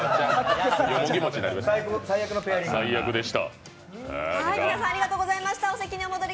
最悪でした。